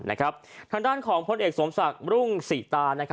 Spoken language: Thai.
ทางด้านของพลเอกสมศักดิ์รุ่งศรีตา